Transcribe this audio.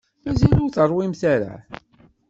Mazal ur teṛwimt ara?